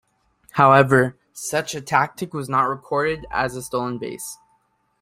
However, such a tactic was not recorded as a stolen base.